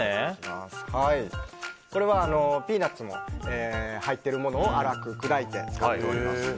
これはピーナツも入っているものを粗く砕いて使っております。